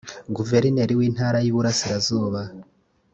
guverineri w intara y iburasirazuba